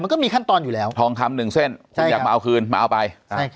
มันก็มีขั้นตอนอยู่แล้วทองคำหนึ่งเส้นคุณอยากมาเอาคืนมาเอาไปใช่